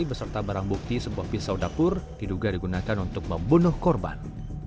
beserta barang bukti sebuah pisau dapur diduga digunakan untuk membunuh korban